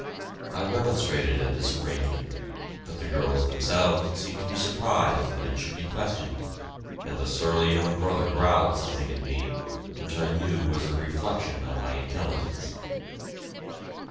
I remonstrated at this arrangement, but the girls themselves seemed to be surprised that it should be questioned, and the surly young brother growled something at me which I knew was a reflection on my intelligence.